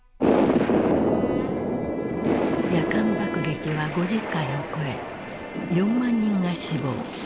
夜間爆撃は５０回を超え４万人が死亡。